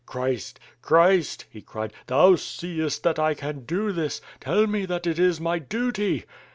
"Christ! Christ!" he cried, "Thou seest that I can do this, tell me that it is my duty."